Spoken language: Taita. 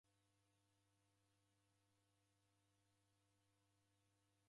W'andu w'engi w'ebwaghwa w'udenyi.